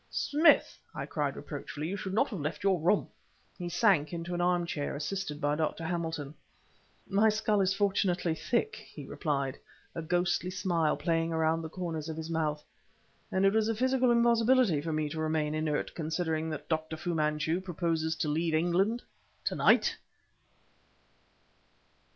"Smith!" I cried reproachfully "you should not have left your room!" He sank into an arm chair, assisted by Dr. Hamilton. "My skull is fortunately thick!" he replied, a ghostly smile playing around the corners of his mouth "and it was a physical impossibility for me to remain inert considering that Dr. Fu Manchu proposes to leave England to night!"